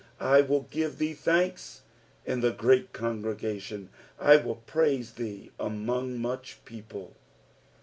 18 I will give thee thanks in the great congregation: I will praise thee among much people.